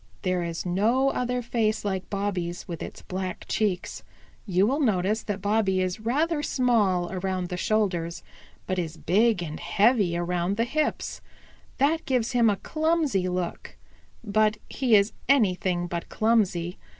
And there is no other face like Bobby's with its black cheeks. You will notice that Bobby is rather small around the shoulders, but is big and heavy around the hips. That gives him a clumsy look, but he is anything but clumsy.